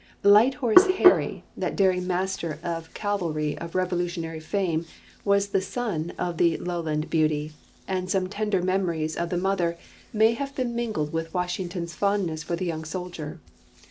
"Light Horse Harry," that daring master of cavalry of Revolutionary fame, was the son of the "Lowland Beauty," and some tender memories of the mother may have been mingled with Washington's fondness for the young soldier.